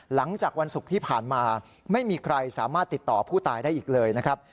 หลังจากวันศุกร์ที่ผ่านมาไม่มีใครสามารถติดต่อผู้ตายได้อีกเลยนะครับ